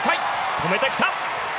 止めてきた！